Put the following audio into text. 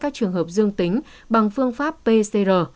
các trường hợp dương tính bằng phương pháp pcr